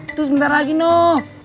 itu sebentar lagi noh